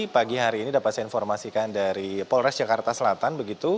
pagi hari ini dapat saya informasikan dari polres jakarta selatan begitu